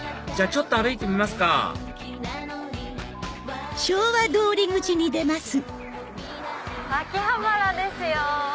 じゃあちょっと歩いてみますか秋葉原ですよ！